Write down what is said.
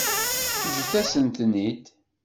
Ǧǧet-asent-ten-id.